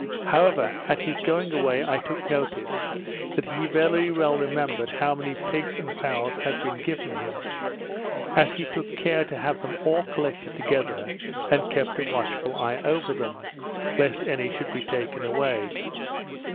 However, at his going away I took notice, that he very well remembered how many pigs and fowls had been given him, as he took care to have them all collected together, and kept a watchful eye over them, lest any should be taken away.